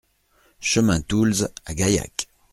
Chemin Toulze à Gaillac